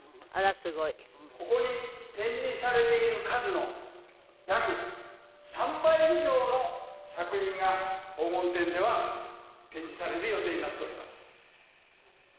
「ここに展示されている数の約３倍以上の作品が“黄金展”では展示される予定になっております」